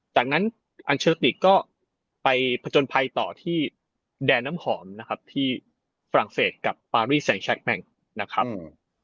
จากนั้นอัลเชอร์ติก็ไปผจญภัยต่อที่แดนน้ำหอมที่ฝรั่งเศสกับบราภิแซงแชลท์แบงค์นะครับ